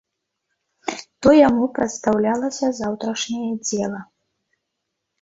То яму прадстаўлялася заўтрашняе дзела.